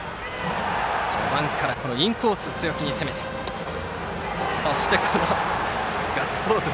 序盤からインコースを強気に攻めてそして、このガッツポーズ。